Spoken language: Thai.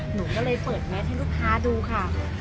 หนูก็เลยเปิดแมสให้ลูกค้าดูค่ะ